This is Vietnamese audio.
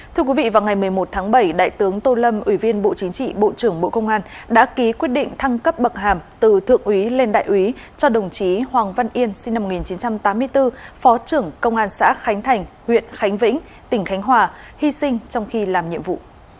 thưa quý vị vào ngày một mươi một tháng bảy đại tướng tô lâm ủy viên bộ chính trị bộ trưởng bộ công an đã ký quyết định thăng cấp bậc hàm từ thượng úy lên đại úy cho đồng chí hoàng văn yên sinh năm một nghìn chín trăm tám mươi bốn phó trưởng công an xã khánh thành huyện khánh vĩnh tỉnh khánh hòa hy sinh trong khi làm nhiệm vụ